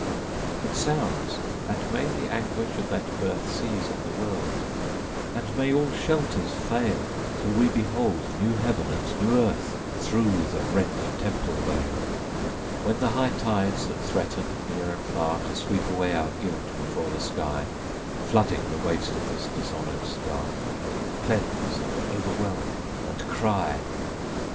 It sounds! And may the anguish of that birth Seize on the world; and may all shelters fail, Till we behold new Heaven and new Earth Through the rent Temple vail! When the high tides that threaten near and far To sweep away our guilt before the sky, Flooding the waste of this dishonored Star, Cleanse, and o'erwhelm, and cry!